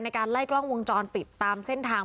ในการไล่กล้องวงจรปิดตามเส้นทาง